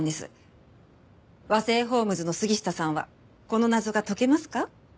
和製ホームズの杉下さんはこの謎が解けますか？